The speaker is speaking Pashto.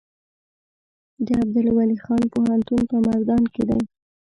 د عبدالولي خان پوهنتون په مردان کې دی